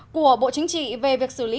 của bộ chính trị về việc xử lý